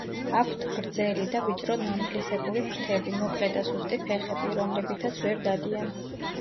აქვთ გრძელი და ვიწრო ნამგლისებური ფრთები, მოკლე და სუსტი ფეხები, რომლებითაც ვერ დადიან.